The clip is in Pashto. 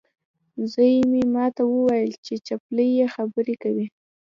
زوی مې ماته وویل چې چپلۍ یې خبرې کوي.